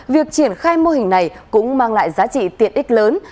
việc triển khai mô hình này cũng mang lại giá trị tiện ích lớn